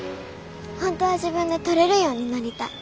本当は自分で取れるようになりたい。